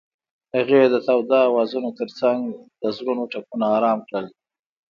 هغې د تاوده اوازونو ترڅنګ د زړونو ټپونه آرام کړل.